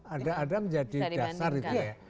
ada ada menjadi dasar itu ya